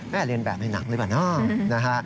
แม่เรียนแบบให้หนังเลยบ้างเนอะ